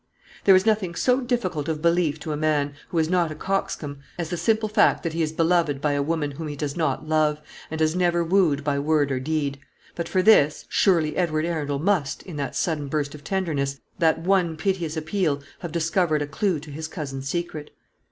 There is nothing so difficult of belief to a man, who is not a coxcomb, as the simple fact that he is beloved by a woman whom he does not love, and has never wooed by word or deed. But for this, surely Edward Arundel must, in that sudden burst of tenderness, that one piteous appeal, have discovered a clue to his cousin's secret.